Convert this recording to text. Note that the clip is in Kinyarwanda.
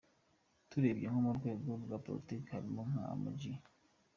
Turebye nko mu rwego rwa politiki, harimo nka Amina J.